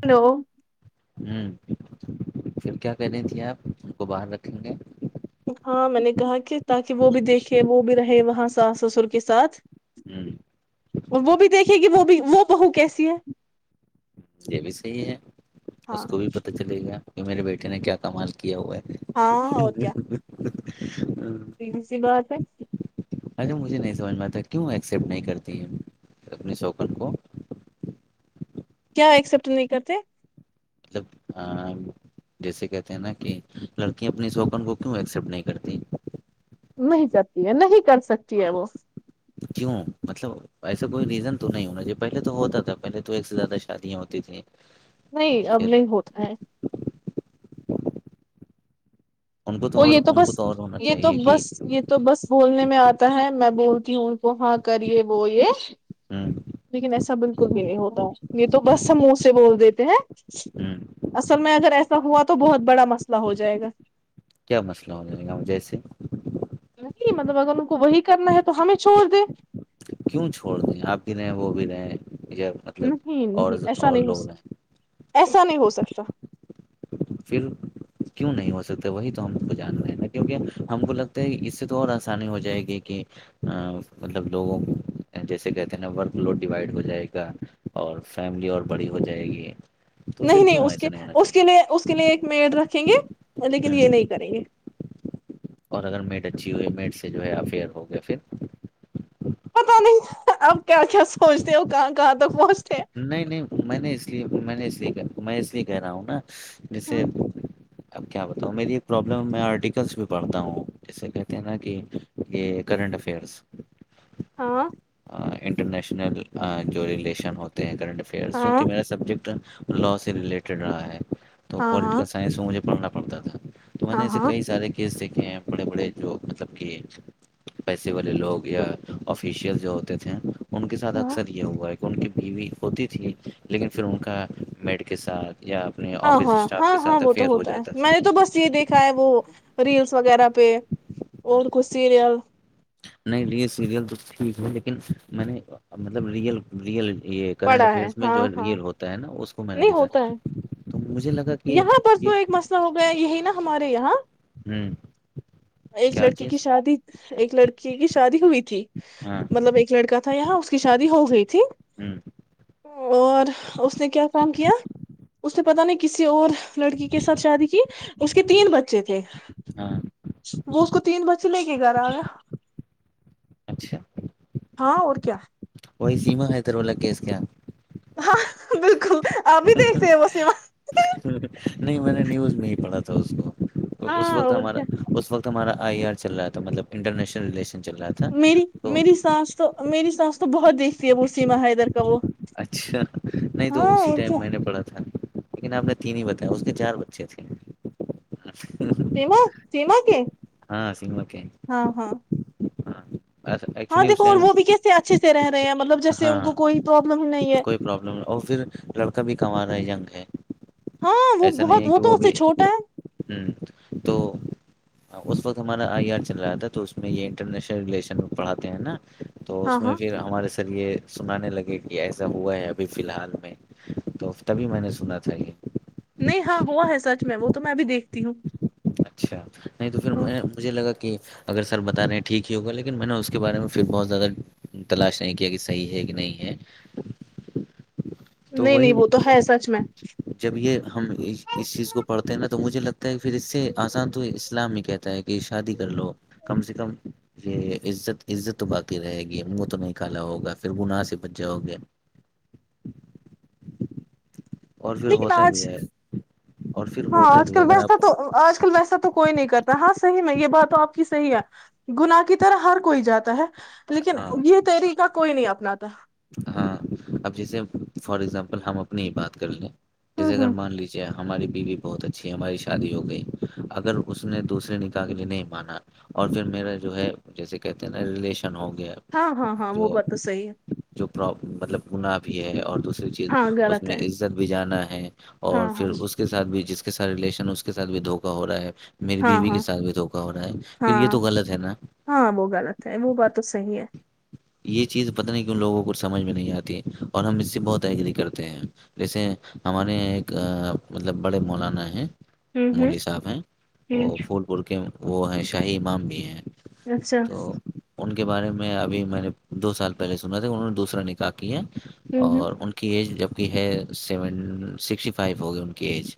hello ہوں پھر کیا کہنی تھی آپ ان کو باہر رکھیں گے ہاں میں نے کہا کہ تاکہ وہ بھی دیکھے وہ بھی رہے وہاں ساس سسر کے ساتھ جی اور وہ بھی دیکھے گی وہ بھی وہ بہو کیسی ہے یہ بھی صحیح ہے اس ہاں کو بھی پتہ چلے گا کہ میرے بیٹے نے کیا کمال کیا ہوا ہے ہ [unintelligible] ج [unintelligible] تی بات ہے اچھا مجھے نہیں سمجھنا تھا کیوں ایکسپٹ نہیں کرتی ہے اپنے شوکن کو کیا ایکسپٹ نہیں کرتے مطلب ہاں جیسے کہتے ہیں نا کہ لڑکیا اپنی شوکن کو کیوں ایکسپٹ نہیں کرتی نہیں جتی ہے نہیں کر سکتی ہے وہ کیوں مطلب ایسا کوئی ریزن تو نہیں ہونا چاہے پہلے تو ہوتا تھا پہلے تو ایک سے زیادہ شادیاں ہوتی تھیں نہیں اب پھر نہیں ہوتا ہے ان کو اور یہ تو ان بس کو اور ہونا یہ تو چاہیے کہ بس یہ تو بس بولنے میں آتا ہے میں بولتی ہوں ان کو ہاں کر یہ وہ یہ ہ لیکن ایسا بالکل بھی نہیں ہوتا یہ تو بس ہم منہ سے بول دیتے ہیں ہ اصل میں اگر ایسا ہوا تو بہت بڑا مسئلہ ہو جائے گا کیا مسئلہ ہوے گا جیس نہیں مطلب اگر ان کو وہی کرنا ہے تو ہمیں چھوڑ دیں کیوں چھوڑ دیں آپ بھی رہے ہیں وہ بھی رہے ہیں مطلب نہیں اور نہیں ایسا اور نہیں ہو لوگ ہیں ایسا نہیں ہو سکتا پھر کیوں نہیں ہو سکتا وہی تو ہم کو جاننا ہیں نا کیونکہ ہم کو لگتا ہے اس سے تو اور آسانی ہو جائے گی کہ مطلب لوگوں جیسے کہتے ہیں نا ورک لوڈ ڈیوائڈ ہو جائے گا اور فیملی اور بڑی ہو جائے گی تو پھر نہیں نہیں کیوں اس ایسا کے ہونا اس کے چاہیے لیے اس اس کے لیے ایک میڈ رکھیں گے لیکن یہ ہوں، نہیں کریں گے اور اگر میٹ اچھی ہوئی میٹ سے جو ہے افیئر ہو گیا پھر پتا نہیں اب کیا کیا سوچتے ہو کہاں کہاں تک پہنچ نہیں نہیں میں نے میں نے اسے کہ میں اس لیے کہہ رہا ہوں نا جیسے [unintelligible] اب کیا بتاؤ میری ایک پرابلم میں آرٹیکلس بھی پڑھتا ہوں اسسے کہتے ہیں نا کہ یہ کرنٹ افیئرس ہاں انٹرنیشنل جو ریلیشن ہوتے ہیں کرنٹ افیئرس ہاں چونکہ میرا سبجیکٹ لاء سے ریلیٹڈ رہا ہے تو ہاں پٹیکل ہاں سائنس مجھے پڑھنا ود تھا تو میں نے ہاں ایسے ہاں کئی سارےس دیکھ ہیں بڑے بڑے جو مطلب کہ پیسے والے لوگ یا آفیشیلس جو ہوتے تھے ان کے ساتھ ہاں اکثر یہ ہوا ہے کہ ان کی بیوی ہوتی تھی لیکن پھر ان کا میڈ کے ساتھ یا اپنے ہاں آفس ہاں اسٹاف ہاں کے ہاں ساتھ وہ تو افیئر ہو ہوتا ہے جاتا میں نے تو بس یہ دیکھ چاہے وہ ریلس وغیرہ پہ تھا اور کچھ سیریل نہیں ریل سیریل تو ٹھیک ہے لیکن میں نے مطلب ریئل ریئل یہ کرنٹ پڑا ہے افیئرس میں ہاں جو ہاں ریئل ہوتا ہے نا اس کو میں نے نہیں دیکھا ہوتا ہے تو مجھے لگا کہ یہاں پر تو یہ ایک مسئلہ ہو گیا یہ نا ہمارے یہاں ہ ایک کیا لڑکی کی چیز شادی ایک لڑکی کی کی شادی ہوئی تھی ہاں مطلب ایک لڑکا تھا یہاں اس کی شادی ہو گئی تھی ہ اور اس نے کیا کام کیا اس نے پتا نہیں کسی اور لڑکی کے ساتھ شادی کی اس کے تین بچے تھے ہاں وہ اس کو تین بچے لے کے گھر آ گیا اچھا ہاں اور کیا وہی سیما حیدرولہ کیس کیا ہاں بالکل آبھی دیکھتے ہیں بس یہاں نہیں میں نے نیوز نہیں پڑھا تھا اس کو اس ہاں وقت اور ہمارا کیا اس وقت ہمارا آئی آر چل رہا تھا مطلب انٹرنیشن ریلیشن چل رہا تھا میری تو میری سانس تو میری سانس تو بہت دیکھتی ہے وہ سیما ہے ایدھر کا وہ اچھا نہیں تو ہاں اسی اور کیا ٹائم میں نے پڑھا تھا لیکن آپ نے تین ہی بتایا اس کے چار بچے تھے تم سیما کے ہاں سنما کے ہاں ہاں ہاں دیکو اور وہ بھی کیسے اچھے پیر [unintelligible] ہاںاں ہے کوئی پرابلم نہیں اور پھر لڑکا بھی کم آ رہا ہے جنگ ہے ہاں وہ ایسا نہیں بہت ہے کہ تو وہ اس سے بھی چھوٹا ہے ہ تو ہاں اس وقت ہمارا آئی آر چل رہا تھا تو اس میں یہ انٹرنیشنل ریلیشن پڑاتے ہیں نا تو ہاں اس میں ہاں پھر ہمارے ساتھ سر یہ سنانے لگے کہ ایسا ہوا ہے ابھی فی الحال میں تو تبھی میں نے سنا تھا یہ نہیں ہاں ہوا ہے سچ میں وہ تو میں بھی دیکھتی ہوں اچھا نہیں تو پھر ہاں میں مجھے لگا کہ اگر سر بتا رہے ہیں ٹھیک ہی ہوگا لیکن میں نے اس کے بارے میں پھر بہت زیادہ تلاش نہیں کیا کہ صحیح ہے کہ نہیں ہے تو نہیں وہی نہیں وہ تو ہے سچ میں جب یہ ہم اس چیز کو پڑھتے ہیں نا تو مجھے لگتا پھر اس سے آسان تو اسلام ہی کہتا ہے کہ شادی کر لو کم سے کم یہ عزت عزت تو باقی رہے گی من تو نہیں کالا ہوگا پھر گناہ سے بج جاؤگے پھر لیکن ہوتا آج بھی ہے اور پھر ہاں ہوتا آج بھی ہے کل اگر ویسا آپ تو آج کل ویسا تو کوئی نہیں کرتا ہاں صح میں یہ بات تو آپ کی صحی ہے گناہ کی طرح ہر کوئی جاتا ہے لیکن ہاں یہ طریقہ کوئی نہیں اپناتا ہاں اب جیسے فار ایگزامپل ہم اپنی ہی بات کر لیں ہوں جیسے ا گر ہوں مان لیجیے آپ ہماری بیوی بہت اچھی ہماری شادی ہو گئی اگر اس نے دوسرے نکاح کے لیے نہیں مانا اور پھر میرا جو ہے جیسے کہتے ہیں نا ریشن ہاں ہاں ہاں وہ بات تو صحی ہے پر مطلب گنا بھی ہے اور دوسر چیز ہاں اس غلط میں ہے عزت بھی جانا ہے ہ [unintelligible] ہاں اور پھر ہاں اس کے ساتھ بھی جس اس کے ساتھ ریلیشن اس کے سھ بھی دھوکا ہو رہا ہے میرری ہاں بیوی کے ہاں ساتھ بھی دھوکا ہو رہا ہے پھر ہاں یہ تو غلط ہے نا ہاں وہ غلط ہے وہ بات تو صحی ہے یہ چیز پتہ نہیں کی ان لوگوں کوچ سمجھ میں نہیں آتی اور ہم اس سے بہت ایگری کرتے ہیں جیسے ہمارے یہاں ایک مطلب بڑے مولانا ہیں ہوں ہوں ملی صاحب ہیں ہوں وہ پھول پور کے وہ ہیں شاہی امام بھی ہیں اچھا تو ان کے بارے میں ابھی میں نے دو سال پہلے سنا تھا انہوں نے دوسرا نکا کیا ہے ہوں اور ان کی ایج جب ہے سیون سکسٹی فائیو ہوگی ان کی ایج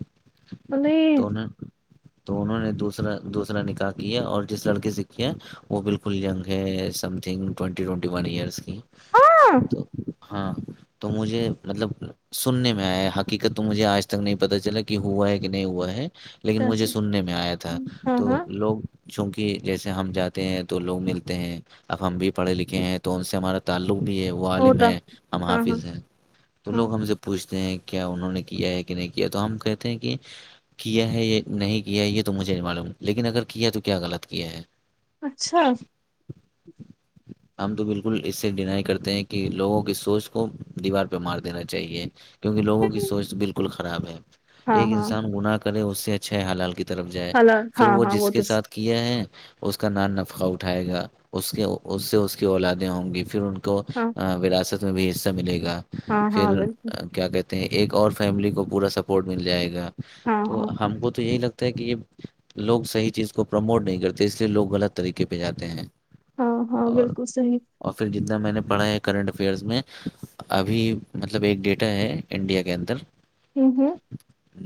پلی تو انہ تو انہوں نے دوسرا دوسرا نکاح کیا اور جس لڑکے سے کیا ہے وہ بالکل گ ہے سم تھنگ ٹ ٹونٹی ون ایئرس کی ہاں تو ہاں تو مجھے مطلب سننے میں آیا حقیقت تو مجھے آج تک نہیں پتا چلا کہ ہوا ہے کہ نہیں ہوا ہے لیکن اچھا مجھے اچھا سننے میں آیا تھا ہاں تو ہاں لوگ چونکہ جیسے ہم جاتے ہیں تو لوگ ملتے ہیں اب ہم بھی پڑھے لکھ ہیں ان سے ہمارا تعلق بھی ہے وہ عال ہوتا ہے ہم ہاں ہاں حافظ ہیں تو ہاں لوگ ہم سے پوچھتے ہیں کیا انہوں نے کیا ہے کہ نہیں کیا تو ہم کہتے ہیں کہ کیا ہے یہ نہیں کیا یہ تو مجھے معلوم لیکن اگر کیا تو کیا غلط کیا ہے اچھا ہم تو بالکل اس سے ڈینائی کرتے ہیں کہ لوگوں کی سوچ کو دیوار پہ مار دینا چاہیے کیونکہ لوگوں کی سوچ بالکل خراب ہے ہاں ایک ہاں انسان گنااہ ے اس سے اچھا حال طرف جائے ہل پھر ہاں وہ ہاں جس کے تو ساتھ کیا ہے اس کا نام نفقہ اٹھائے گا اس کے [unintelligible] کو ہاں ووراثت بھی حصہ ملےا ہاں ہاں پھر بالکل کیا کہتے ایک اور فیملی کو پورا سپورٹ مل جائے گا ہاں تو ہاں ہم کو تو یہی لگتا کہ یہ لوگ صحیح چیز کو پرموٹ نہیں کرتے اس لیے لوگ غلط طریقے پہ جاتے ہیں ہاں ہاں بالکل صحی ج میں نے پڑھا ہے کرنٹ افیئرس میں ابھی مطلب ایک ڈیٹا ہے انڈیا کے اندر یک ہے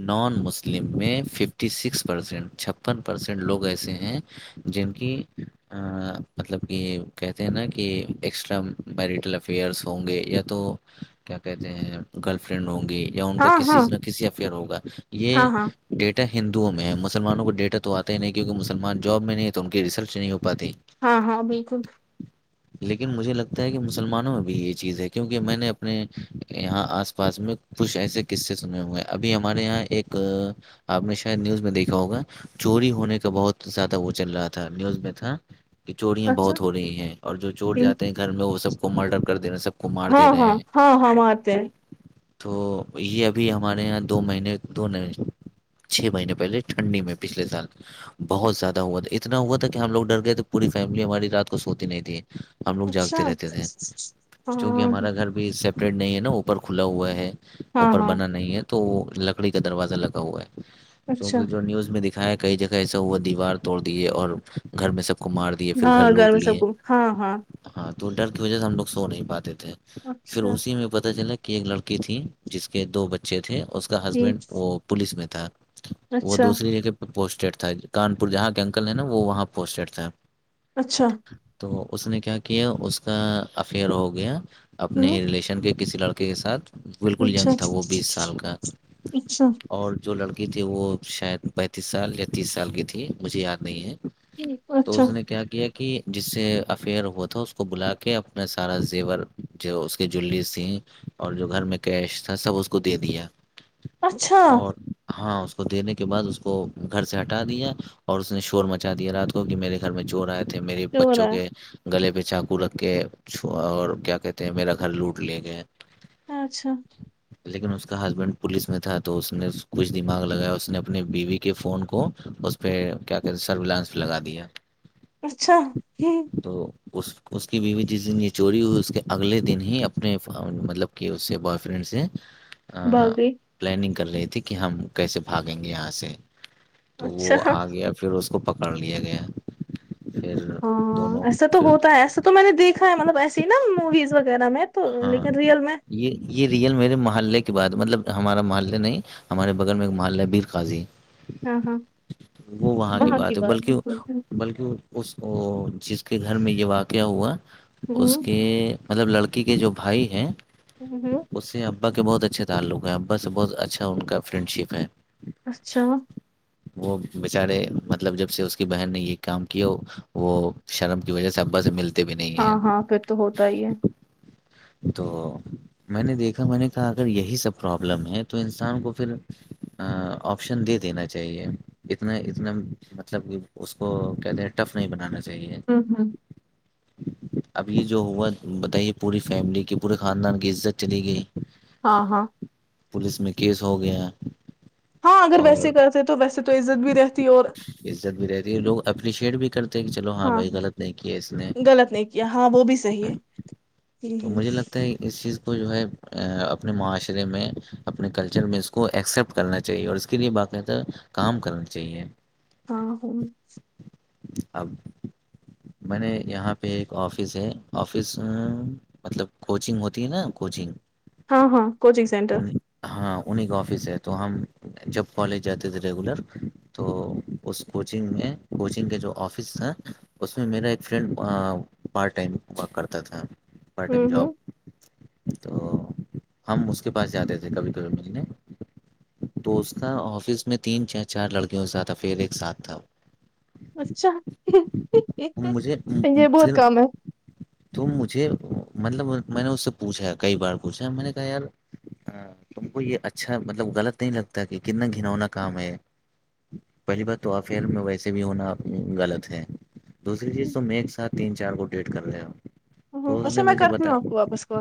نان مسلم میں ففٹی سکس پرسینٹ چھپن پرسینٹ لوگ ایسے ہیں جن کی مطلب کہ کہتے ہیں نا کہ ایکسٹرا میرٹل افیئرس ہوں گے یا تو کیا کہتے ہیں گرل فرینڈ ہ گی یا ان کا ہاں ہاں کسیز میں کسی افیئر ہوگا یہ ہاں ہاں ڈیٹ ا ہندوؤں میں ہے مسلمانوں کو ڈیٹا تو آتا ہی نہیں کیونکہ مسلمان جاب میں نہیں ہے تو ان کی ریسلچ نہیں ہو پاتی ہاں ہاں بالکل لیکن مجھے لگتا ہے کہ مسلمانوں میں بھی یہ چیز ہے کیونکہ میں نے اپنے یہاں آس پاس میں کچھ ایسے قصے سنے ہوئے ہیں ابھی ہمارے یہاں ایک آپ نے شاید نیوز میں دیکھا ہوگا چوری ہونے کا بہت زیادہ وہ چل رہا تھا نیوز میں تھا کہ چوریاں اچھا بہت ہو رہی ہیں اور جو چور ہوں جاتے ہیں گھر میں وہ سب کو مرڈر کر دینے سے ہاں ہاں ہاں ہاں آتے ہیں تو یہ ابھی ہمارے یہاں دو مہینے دو نہیں چھ مہینے پہلے ٹھنڈی میں پچھلے سال بہت زیادہ ہوا تھا اتنا ہوا تھا کہ ہم لوگ ڈر گئے تھ پوری فیملی ہماری رات کو سوتی نہیں تھی ہم لوگ اچھا جاگتے رہتے تھے کیکہ ہاں ہمارا گھر بھی سے پلیڈ نہیں ہے نا اوپر کھلا ہوا ہے ہاں اوپر ہاں بنا نہیں ہے تو وہ لکڑی کا دروازہ لگا ہوا ہے اچھا جوکہ جو نیوز میں کئی جگہ ایسا ہوا دیوار توڑ دیے اور گھر میں سب کو مار دیے پھر ہاں گھر میں سب کو ہاں ہاں ٹوٹر کی وہ سے ہم لوگ سو نہیں پاتے پھر اچھا اسی میں پتہ چلا کہ کی ایک لڑکی تھی جس کے دو بچے تھے اس کا ہسبینڈ وہ ٹھیک پولیس میں تھے تو وہ اچھا دوسری جگہ پہ پوسٹڈ تھا کان پور جہاں کے انکل ہے نا وہاں پوسٹیڈ تھا اچھا تو اس نے کیا کیا اس کا افیئر ہو گیا اپنے ہوں ہی ریلیشن کے کسی لڑکے کے ساتھ بالکل اچھا جنگ تھا وہ بیس سال کا اچھا اور جو لڑکی تھی وہ شاید پینتیس سال یا تیس سال کی تھی مجھے یاد نہیں ہے تو اچھا اس نے کیا کہ ایک کہ جس سے افیئر ہوا تھا اس کو بلا کے اپنا سارا زیور جو اس کے جلی تھیں اور جو گھر میں کیش تھا سب اس کو دے دیا اچھا اور ہاں اس کو دنے کے بعد اس کو گھر سے ہٹا دیا اور اس نے شور مچا دیا رات کو کیونک میرے گھر میں چور تھے میرے جو ہو بچوں رہا کے گلے پہ چاقو رکھ کے اور کیا کہتے ہیں میرا گھر لوٹ لے گئے اچھا لیکن اس کا ہسبینڈ پولیس میں تھا تو اس نے کچھ دماغ لگایا اس نے اپنے بیوی کے فون کو اس پہ کیا کہتے سروانس لگا دیا اچھا تو اس کی بیوی جس دن یہ چوری ہوئی اس کے اگلے دن ہی اپنے مطلب کہ اس سے بوائے فرینڈ سے بھاگ گئی پلانینگ کر رہے تے کہ ہم کیسے بھاگیں گے یہاں سے تو اچھا وہ آ گیا پھر اس کپ کرڑ لیے گیا پھر ہاں دونوں ایسا تو پھر ہوتا ہے ایسا تو میں نے دیکھا ہے مطلب ایسے ہی نا موویز وغیرہ میں تو ہاں لیکن ریئل میں یہ یہ ریئل میرے مح محے کے بع مطلب ہمارا محلے نہیں ہمارے بغل میں ایک محلہ بیر قضی ہاں ہاں وہ وہاں کی بات ہے بلکہ بلکہ اس جس کے گھر میں یہ واقعہ ہوا اس کے مطلب لڑکی کے جو بھائی ہیں ہوں ہوں باقی بہت اچھے تعلق ہیں ا بس بہت اچھا ان کا فرینڈ شپ ہے اچھا وہ بچارے مطلب جب سے اس کی بہن نے یہ کام کیا وہ شرم کی وجہ سے ابا سے ملتا ہاں ہاں پھر تو ہوتا ہی ہے تو میں نے دیکھا میں نے کہا اگر یہی سب پرابلم ہے تو انسان کو پھر آپشن دے دینا چاہیے اتنا اتنا مطلب کہ اس کو کہتے ہیں ٹف نہیں بنانا ہاں ہاں ابھی جو ہوا بتائیے پوری فیملی کی پورے خاندان کی عزت چلی گئی ہاں ہاں پولیس میں کیس ہو گیا ہاں اگر اور ویسے کرتے تو ویسے تو عزت بھی رہتی اور عزت بھی رہتی ہے لوگ اپریشیٹ بھی کرتے ہیں کہ چلو ہاں بھائی غلط نہیں کیا اس نے ہاں غلط نہیں کیا ہاں وہ بھی صحیح ہے تو مجھے لگتا ہے اس چیز کو جو ہے اپنے معاشرے میں اپنے کلچر میں اس کو ایکسپٹ کرنا چاہیے اور اس کے لیے باقاعدہ کام کرنا چاہیے آ ہ اب میں نے یہاں پہ ایک آفس ہے آفس مطلب کوچنگ ہوتی ہے نا کوچنگ ہاں ہاں کوچنگ سینٹر ان ہاں انہیں کا آفس ہے تو ہم جب کالج جاتے تھے ریگولر تو اس کوچنگ میں کوچنگ کے جو آفس تھا اس میں میرا ایک فرینڈ پارٹ ٹائم کرتا تھا پارٹ ٹائم ہوں جاب ہوں تو ہم اس کے پاس جاتے تھے کبھی کبھی ملنے تو اس کا آفس میں تین چ چار لڑکیوں ساتھ افر ایک ساتھ تھا اچھا مجھے یہ بہت کام ہے توم مجھے مطلب میں نے اس سے پوچھا کئی بار پوچھا میں نے کہا یار تم کو یہ اچھا مطلب غلط نہیں لگتا کہ کتنا گھنونا کام ہے پہلی بار تو افیئر میں ویسے بھی ہونا غلط ہے دوسری چیز تو میں ایک سات تین چار گٹ ڈیٹ کر لے ہ اسا میں کر میں آپ کو واپس کو